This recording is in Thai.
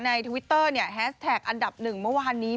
ทวิตเตอร์แฮสแท็กอันดับหนึ่งเมื่อวานนี้